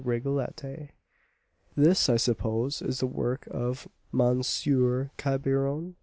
Rigolette: "This, I suppose, is the work of M. Cabrion?"